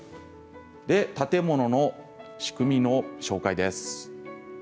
建物の仕組みの紹介です。